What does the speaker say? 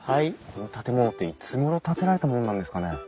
この建物っていつごろ建てられたものなんですかね？